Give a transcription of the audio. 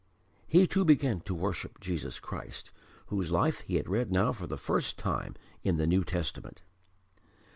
He too began to worship Jesus Christ, whose life he had read now for the first time in the New Testament.